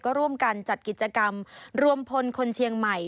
ก็ร่วมกันจัดกิจกรรมรวมพลคนเชียงใหม่